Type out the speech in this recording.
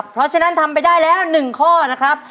เพราะฉะนั้นทำไปได้แล้ว๑ข้อนะครับ